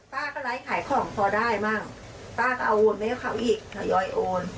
ป้าก็ไลฟ์ขายของพอได้มั่งป้าก็เอาโอนไปให้เขาอีกทยอยโอน